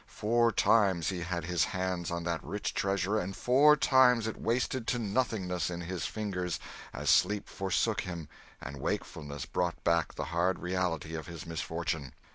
Four times he had his hands on that rich treasure and four times it wasted to nothingness in his fingers as sleep forsook him and wakefulness brought back the hard reality of his misfortune.